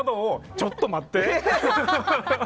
ちょっと待って！